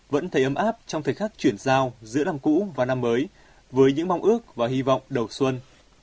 vẫn thấy ấm áp trong thời khắc chuyển giao giữa năm cũ và năm mới với những mong ước và hy vọng đầu xuân